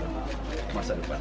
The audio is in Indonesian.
sehingga kita stop dari sekarang